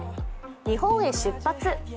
日本へ出発。